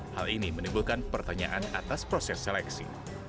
hal ini menimbulkan pertanyaan atas proses seleksi